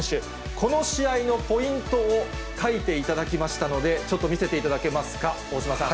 この試合のポイントを書いていただきましたので、ちょっと見せていただけますか、大島さん。